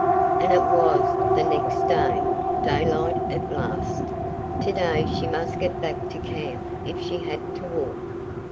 And it was the next day daylight at last! To day she must get back to camp if she had to walk!